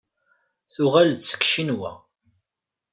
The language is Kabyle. Tuɣal-d seg Ccinwa.